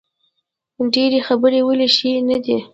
ډیرې خبرې ولې ښې نه دي؟